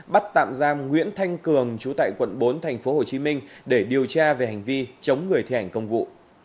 bắt tạm giam nguyễn thanh cường trú tại quận bốn thành phố hồ chí minh để điều tra về hành vi chống người thi hành công vụ